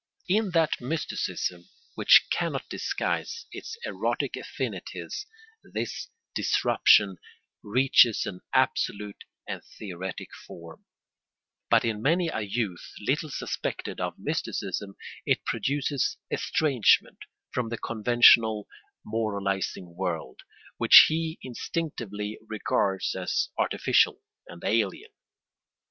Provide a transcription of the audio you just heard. In that mysticism which cannot disguise its erotic affinities this disruption reaches an absolute and theoretic form; but in many a youth little suspected of mysticism it produces estrangement from the conventional moralising world, which he instinctively regards as artificial and alien.